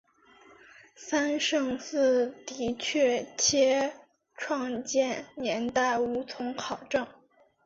三圣寺的确切创建年代无从考证。